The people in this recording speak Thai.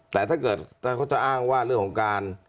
แต่ถ้าเกิดเขาจะอ้างว่าเรื่องของการ